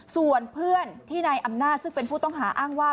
ส่วนเพื่อนที่นายอำนาจซึ่งเป็นผู้ต้องหาอ้างว่า